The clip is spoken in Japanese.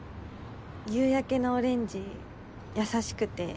夕焼けのオレンジ優しくて。